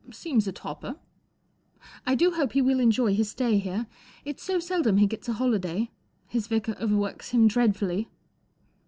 " Seems a topper." 99 I do hope he will enjoy his stay here. It's so seldom he gets a holiday. His vicar overworks him dreadfully."